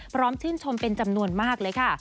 ชื่นชมเป็นจำนวนมากเลยค่ะ